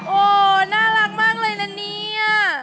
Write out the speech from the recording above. โอ้โหน่ารักมากเลยนะเนี่ย